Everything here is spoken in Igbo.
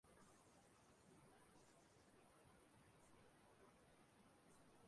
ma mmadụ emegbula nwa mmụọ.